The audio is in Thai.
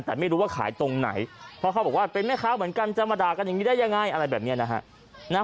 แต่ไม่รู้ว่าขายตรงไหนเพราะเขาบอกว่าเป็นแม่ค้าเหมือนกันจะมาด่ากันอย่างนี้ได้ยังไงอะไรแบบนี้นะฮะ